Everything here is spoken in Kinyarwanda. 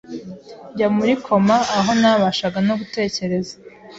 njya muri koma aho ntabashaga no gutekereza,